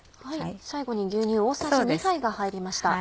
最後に牛乳大さじ２杯が入りました。